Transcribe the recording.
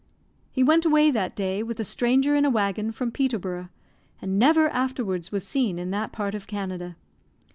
He went away that day with a stranger in a waggon from Peterborough, and never afterwards was seen in that part of Canada.